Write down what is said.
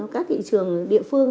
các thị trường địa phương